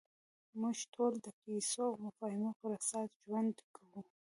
موږ ټول د کیسو او مفاهیمو پر اساس ژوند کوو.